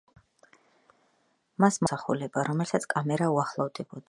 მას მოჰყვებოდა დედამიწის გამოსახულება, რომელსაც კამერა უახლოვდებოდა.